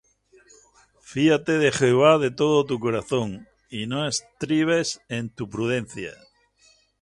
Fíate de Jehová de todo tu corazón, Y no estribes en tu prudencia.